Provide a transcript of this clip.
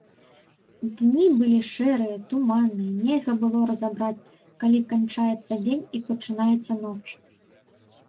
Дні былі шэрыя, туманныя, нельга было разабраць, калі канчаецца дзень і пачынаецца ноч.